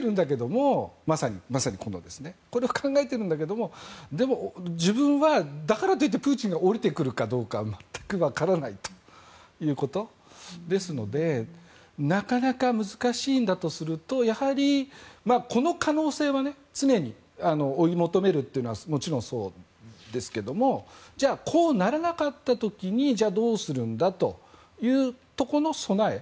これを考えてるんだけれども自分は、だからといってプーチンが下りてくるかは全く分からないということですのでなかなか難しいんだとするとやはり、この可能性は常に追い求めるというのはもちろんそうですけどもじゃあ、こうならなかった時にどうするんだというところの備え。